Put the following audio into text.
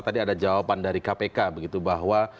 tadi ada jawaban dari kpk begitu bahwa